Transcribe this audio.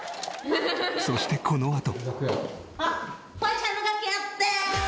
そしてこのあと。